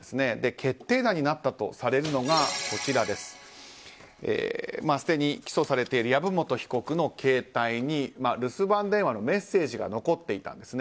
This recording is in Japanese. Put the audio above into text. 決定打になったとされるのがすでに起訴されている籔本被告の携帯に留守番電話のメッセージが残っていたんですね。